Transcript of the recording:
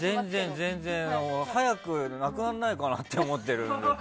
全然。早くなくならないかなと思ってる。